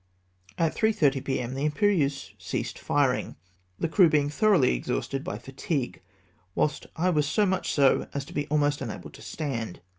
At 3.30 p.m. the Imperieuse ceased firing, the crew being thoroughly exhausted by fatigue ; whilst I was so much so, as to be almost unable to stand.